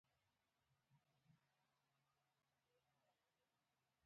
ژوندۍ دې وي سوله، موږ کورونو ته ځو.